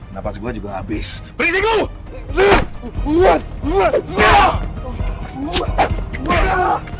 nafas gua juga habis beri istri gua